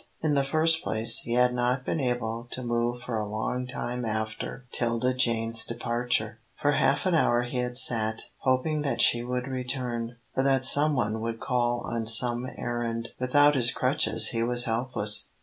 In the first place he had not been able to move for a long time after 'Tilda Jane's departure. For half an hour he had sat, hoping that she would return, or that some one would call on some errand. Without his crutches he was helpless.